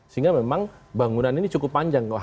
sehingga memang bangunan ini cukup panjang